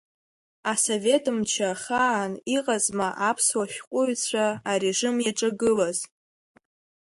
Асовет мчы ахаан иҟазма аԥсуа шәҟәыҩҩцәа арежим иаҿагылаз?